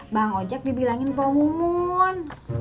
bang ojak dibilangin pomo mumun